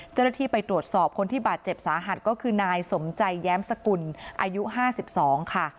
เจ้าหน้าที่ไปตรวจสอบคนที่บาดเจ็บสาหัสก็คือนายสมใจแย้มสกุลอายุ๕๒ค่ะ